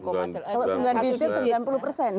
kalau sembilan triliun sembilan puluh persen